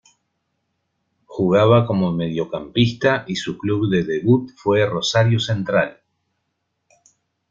Jugaba como mediocampista y su club de debut fue Rosario Central.